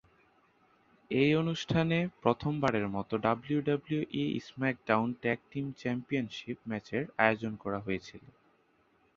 এই অনুষ্ঠানে প্রথমবারের মতো WWE SmackDown tag team championship ম্যাচের আয়োজন করা হয়েছিল।